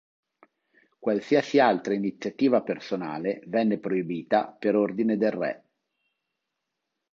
Qualsiasi altra iniziativa personale venne proibita per ordine del re.